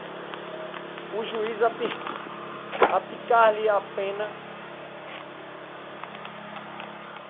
o juiz aplicar-lhe-á a pena